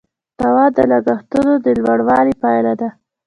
تاوان د لګښتونو د لوړوالي پایله ده.